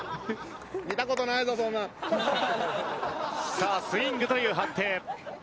さあスイングという判定。